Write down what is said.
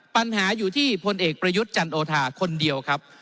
ปัญหาอยู่ที่พลเอกประยุทธ์จันโอชาคนเดียวครับ